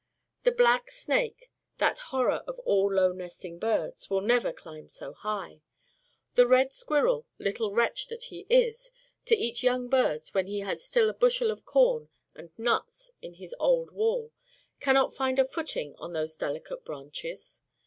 The black snake, that horror of all low nesting birds, will never climb so high. The red squirrel little wretch that he is, to eat young birds when he has still a bushel of corn and nuts in his old wall cannot find a footing on those delicate branches.